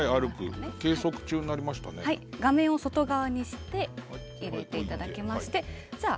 画面を外側にして入れて頂きましてじゃあ